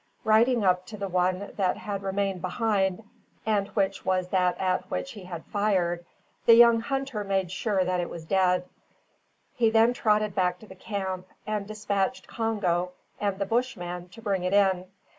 Riding up to the one that had remained behind, and which was that at which he had fired, the young hunter made sure that it was dead; he then trotted back to the camp, and despatched Congo and the Bushman to bring it in.